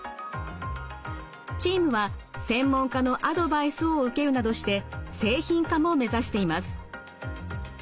チームは専門家のアドバイスを受けるなどして製品化も目指しています。